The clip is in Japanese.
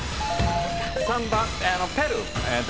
３番ペルー。